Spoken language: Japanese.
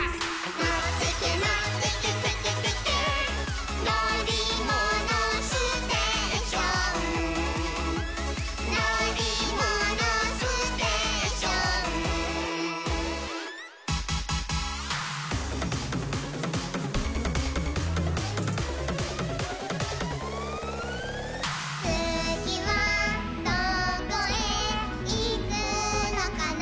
「のってけのってけテケテケ」「のりものステーション」「のりものステーション」「つぎはどこへいくのかな」